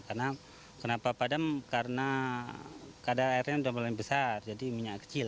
karena kenapa padam karena airnya sudah mulai besar jadi minyak kecil